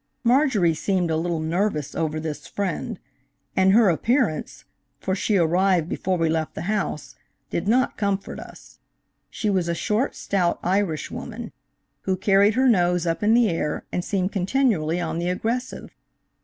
Marjorie seemed a little nervous over this friend, and her appearance–for she arrived before we left the house–did not comfort us. She was a short, stout Irish woman, who carried her nose up in the air and seemed continually on the aggressive.